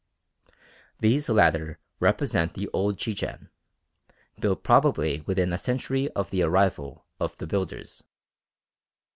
These latter represent the old Chichen, built probably within a century of the arrival of the builders.